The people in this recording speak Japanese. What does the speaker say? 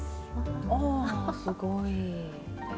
おすごい。